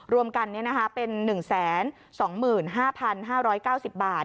รวมกันเป็น๑๒๕๕๙๐บาท